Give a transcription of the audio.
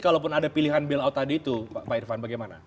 kalaupun ada pilihan bil out tadi itu pak irvan bagaimana